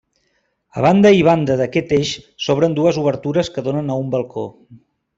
A banda i banda d'aquest eix s'obren dues obertures que donen a un balcó.